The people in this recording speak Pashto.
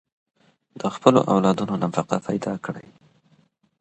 د خپلو اولادونو نفقه پيدا کړئ.